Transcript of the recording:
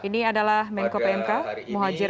saudara sekalian sebangsa dan setanah air